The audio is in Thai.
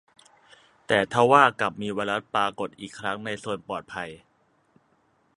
แต่ทว่ากลับมีไวรัสปรากฏอีกครั้งในโซนปลอดภัย